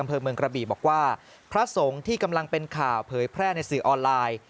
อำเภอเมืองกระบีบอกว่าพระสงฆ์ที่กำลังเป็นข่าวเผยแพร่ในสื่อออนไลน์